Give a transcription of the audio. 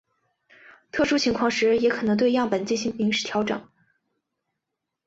特殊情况时也可能对样本进行临时调整。